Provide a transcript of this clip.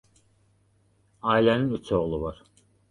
Ailənin üç oğlu var.